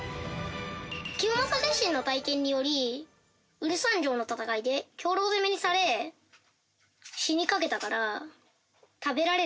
清正自身の体験により蔚山城の戦いで兵糧攻めにされ死にかけたから。